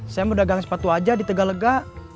saya mau dagang sepatu aja di tegalega